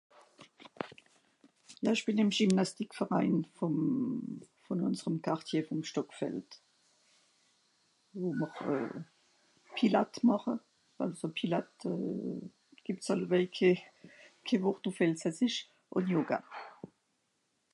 ja ìsch bìn ìm gymnastique verrein vòm von ùnserem quartier vòm stockfeld wò mr euh pilates màche àlso pilates euh gibs àllewaij keh wòrt ùff elsasssich ùn yoga